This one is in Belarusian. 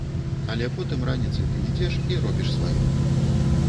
Але потым раніцай ты ідзеш і робіш сваё.